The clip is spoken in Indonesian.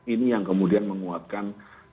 ini yang kemudian menguatkan